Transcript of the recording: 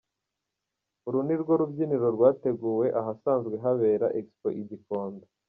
Uru ni urubyiniro rwateguwe ahasanzwe habera Expo i Gikondo.